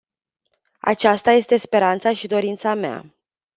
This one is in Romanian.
Aceasta este speranța și dorința mea.